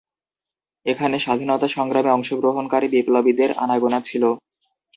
এখানে স্বাধীনতা সংগ্রামে অংশগ্রহণকারী বিপ্লবীদের আনাগোনা ছিল।